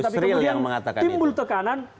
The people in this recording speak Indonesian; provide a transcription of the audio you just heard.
tapi kemudian timbul tekanan